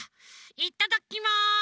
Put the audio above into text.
いただきます！